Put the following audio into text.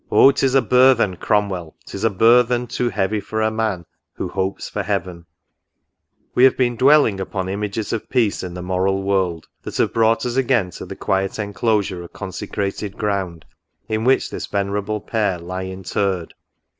O 'tis a burthen, Cromwell, 'tis a burthen Too heavy for a man who hopes for heaven !" 66 NOTES. We have been dwelling upon images of peace in the moral world, that have brought us again to the quiet enclosure of consecrated ground, in which this venerable pair lie interred.